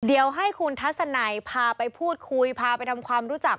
เดี๋ยวให้คุณทัศนัยพาไปพูดคุยพาไปทำความรู้จัก